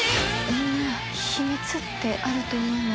秘密ってあると思わない？